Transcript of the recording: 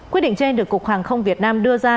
quyết định trên được cục hàng không việt nam đưa ra